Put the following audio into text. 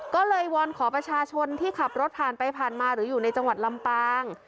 ก็เลยวอนขอประชาชนที่ขับรถผ่านไปผ่านมาหรืออยู่ในจังหวัดลำปาง